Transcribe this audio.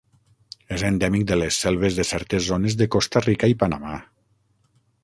És endèmic de les selves de certes zones de Costa Rica i Panamà.